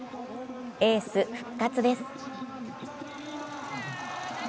エース復活です。